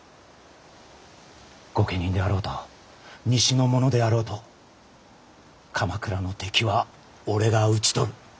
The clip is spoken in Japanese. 御家人であろうと西の者であろうと鎌倉の敵は俺が討ち取る。